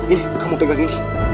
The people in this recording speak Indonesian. ini kamu tegak ini